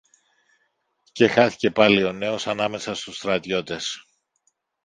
Και χάθηκε πάλι ο νέος ανάμεσα στους στρατιώτες.